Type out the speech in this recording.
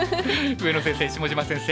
上野先生下島先生